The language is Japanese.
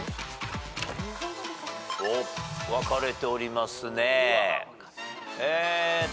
分かれておりますね。